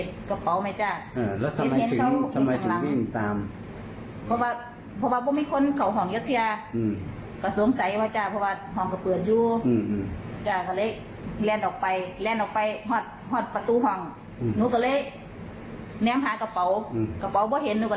ที่แรกเพราะท่านได้เห็นเพราะได้สังเกตกระเป๋าไหมจ้ะ